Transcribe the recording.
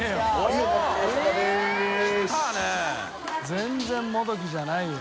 全然「もどき」じゃないよ。